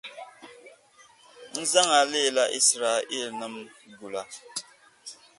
n zaŋ a leela Izraɛlnim’ gula.